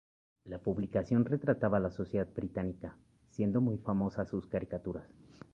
La publicación retrataba la sociedad británica, siendo muy famosas sus caricaturas.